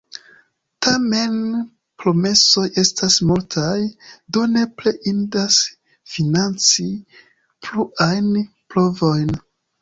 Tamen promesoj estas multaj, do nepre indas financi pluajn provojn.